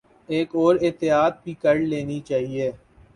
ایک اور احتیاط بھی کر لینی چاہیے۔